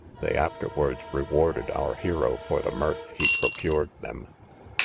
They afterwards rewarded our hero for the mirth he procured them.